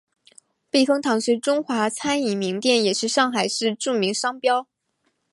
避风塘是中华餐饮名店也是上海市著名商标。